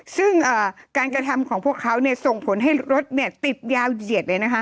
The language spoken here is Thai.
ซึ่งการกระทำของพวกเขาส่งผลให้รถติดยาวเหยียดเลยนะคะ